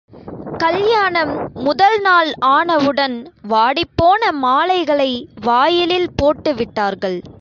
கல்யாணம் முதல் நாள் ஆனவுடன், வாடிப்போன மாலைகளை வாயிலில் போட்டு விட்டார்கள்.